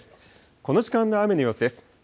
この時間の雨の様子です。